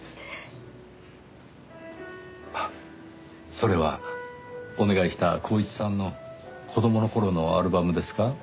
それはお願いした光一さんの子供の頃のアルバムですか？